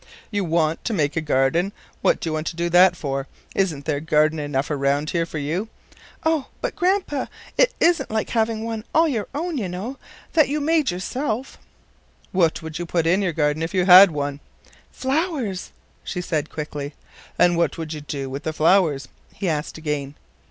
"You want to make a garden? What do you want to do that for? Isn't there garden enough around here for you?" "Oh! but, Grandpa, it isn't like having one all your own, you know, that you made yourself." "What would you put in your garden if you had one?" "Flowers," she said quickly. "And what would you do with the flowers?" he asked again.